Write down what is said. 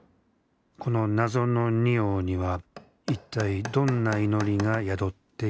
この謎の仁王には一体どんな祈りが宿っているのか。